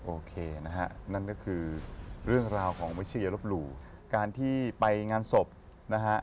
โอเคนะฮะนั่นก็คือเรื่องราวของวัชยรบหลู่การที่ไปงานศพนะฮะ